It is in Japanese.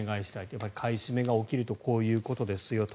やはり買い占めが起きるとこういうことですよと。